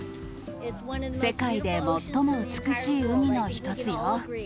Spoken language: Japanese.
世界で最も美しい海の一つよ。